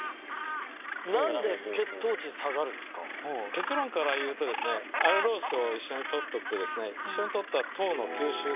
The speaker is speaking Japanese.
結論から言うとアルロースを一緒に取っとくと。